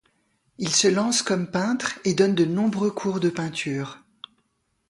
Il se lance comme peintre et donne de nombreux cours de peinture.